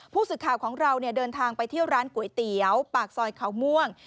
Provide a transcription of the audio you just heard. ผู้สื่อข่าวของเราเดินทางไปเที่ยวร้านก๋วยเตี๋ยวปากซอยเขาม่วง